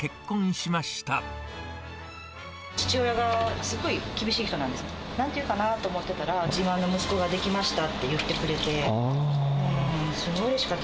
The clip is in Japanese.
父親がすごい厳しい人なんです。なんて言うかなと思ってたら、自慢の息子ができましたって言ってくれて。